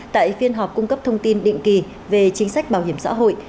tại phiên họp cung cấp thông tin định kỳ về chính sách bảo hiểm xã hội